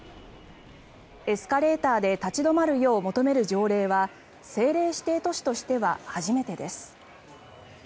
エスカレーターで立ち止まるよう求める条例は政令指定都市としては初めてです。